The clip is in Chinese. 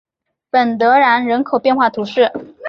本德然人口变化图示